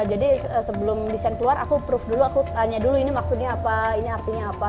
jadi sebelum desain keluar aku approve dulu aku tanya dulu ini maksudnya apa ini artinya apa